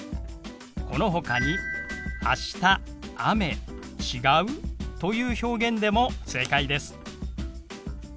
このほかに「明日」「雨」「違う？」という表現でも正解です。